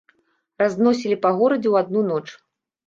Разносілі па горадзе ў адну ноч.